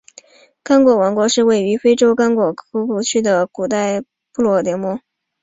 刚果王国是位于非洲刚果河河口地区的古代部落联盟。